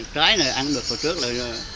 trái này ăn được hồi trước là